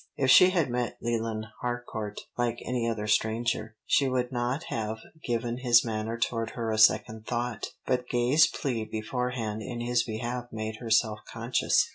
If she had met Leland Harcourt like any other stranger, she would not have given his manner toward her a second thought; but Gay's plea beforehand in his behalf made her self conscious.